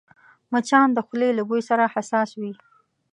مچان د خولې له بوی سره حساس وي